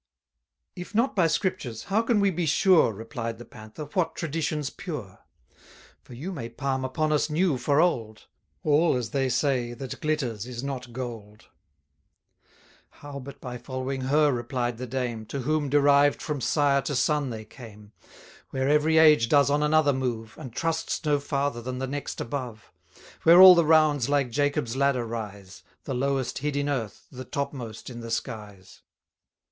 If not by Scriptures, how can we be sure, Replied the Panther, what Tradition's pure? For you may palm upon us new for old: All, as they say, that glitters, is not gold. How but by following her, replied the dame, To whom derived from sire to son they came; Where every age does on another move, And trusts no farther than the next above; Where all the rounds like Jacob's ladder rise, 220 The lowest hid in earth, the topmost in the skies.